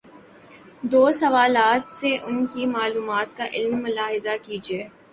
دو سوالات سے ان کی معلومات کا عالم ملاحظہ کیجیے۔